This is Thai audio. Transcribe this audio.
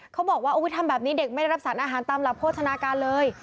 เขาบอกว่าทำแบบนี้เด็กไม่ได้รับสารอาหารตามหลักโภชนาการเลย